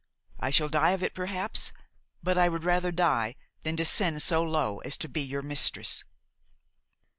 I shall die of it perhaps, but I would rather die than descend so low as to be your mistress."